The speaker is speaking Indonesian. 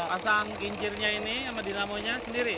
pasang kincirnya ini sama dynamo nya sendiri